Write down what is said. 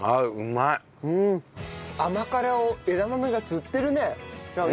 甘辛を枝豆が吸ってるねちゃんと。